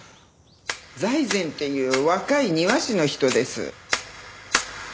財前っていう若い庭師の人です。